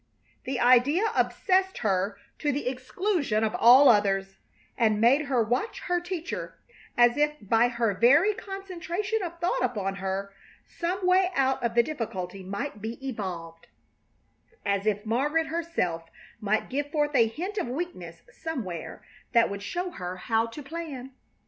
The idea obsessed her to the exclusion of all others, and made her watch her teacher as if by her very concentration of thought upon her some way out of the difficulty might be evolved; as if Margaret herself might give forth a hint of weakness somewhere that would show her how to plan.